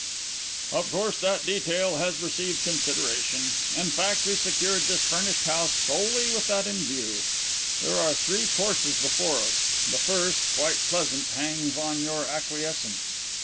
"Of course that detail has received consideration. In fact we secured this furnished house solely with that in view. There are three courses before us. The first, quite pleasant, hangs on your acquiescence.